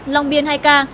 long biên hai ca